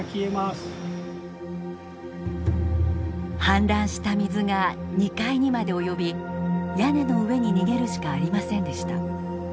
氾濫した水が２階にまで及び屋根の上に逃げるしかありませんでした。